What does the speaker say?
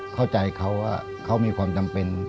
เข้าใจเขาว่าเขามีความจำเป็น